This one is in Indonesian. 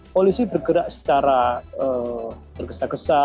polisi bergerak secara tergesa gesa